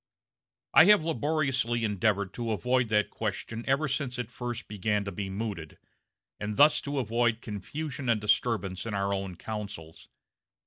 I have laboriously endeavored to avoid that question ever since it first began to be mooted, and thus to avoid confusion and disturbance in our own councils.